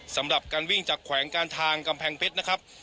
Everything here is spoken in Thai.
สำหรับการวิ่งจากแขวงการทางกำแพงเพชรนะครับ